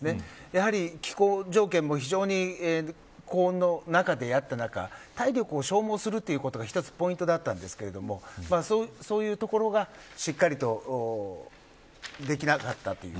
やはり、気候条件も非常に高温の中であった中体力を消耗するのが一つポイントだったんですけどそういうところが、しっかりとできなかったという。